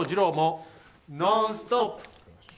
「ノンストップ！」。